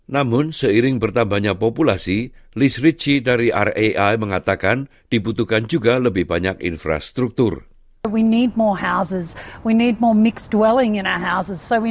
namun seiring bertambahnya populasi kita tidak akan berpikir pikir untuk berpindah ke melbourne